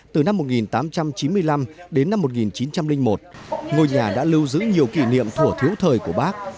từ năm một nghìn tám trăm chín mươi năm đến năm một nghìn chín trăm linh một ngôi nhà đã lưu giữ nhiều kỷ niệm thủa thiếu thời của bác